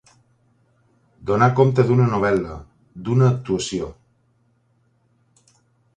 Donar compte d'una novel·la, d'una actuació.